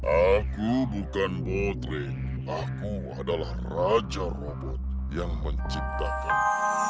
aku bukan botre aku adalah raja robot yang menciptakan